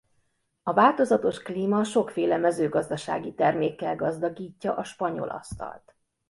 A változatos klíma sokféle mezőgazdasági termékkel gazdagítja a spanyol asztalt.